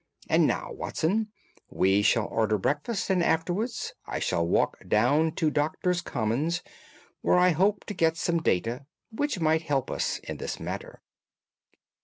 And now, Watson, we shall order breakfast, and afterwards I shall walk down to Doctors' Commons, where I hope to get some data which may help us in this matter."